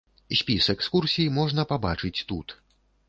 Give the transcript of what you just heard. Спіс экскурсій можна пабачыць тут.